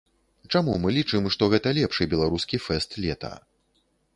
Чаму мы лічым, што гэта лепшы беларускі фэст лета?